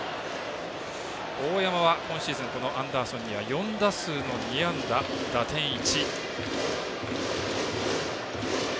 大山は今シーズンアンダーソンには４打数２安打打点１。